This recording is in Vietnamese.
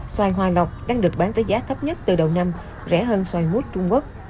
xoài hòa lọc đang được bán với giá thấp nhất từ đầu năm rẻ hơn xoài mút trung quốc